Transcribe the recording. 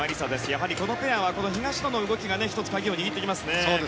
やはり、このペアは東野の動きが鍵を握ってきますね。